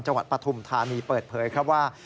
ปฐุมธานีเปิดเผยครับว่า